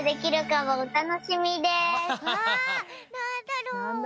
わあなんだろう？